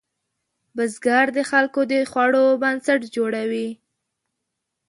بزګر د خلکو د خوړو بنسټ جوړوي